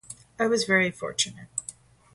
I was very fortunate.